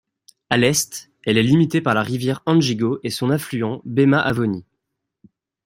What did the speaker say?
À l'est elle est limitée par la rivière Anjingo et son affluent Bemahavony.